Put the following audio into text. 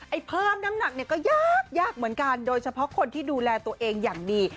เพิ่มน้ำหนักเนี่ยก็ยากยากเหมือนกันโดยเฉพาะคนที่ดูแลตัวเองอย่างดี